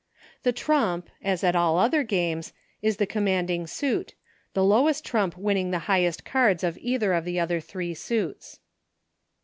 The trump, as at all other games, is the commanding suit, the lowest trump winning the highest cards of either of the other three suits.